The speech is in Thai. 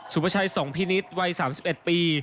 สุประชัยสงพินิตวัย๓๑ปี